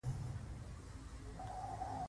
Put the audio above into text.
شاوخوا په واورینو غرونو باندې شنې ونې ولاړې وې